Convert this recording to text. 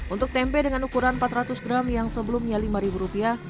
untuk tempe dengan ukuran empat ratus gram yang sebelumnya lima rupiah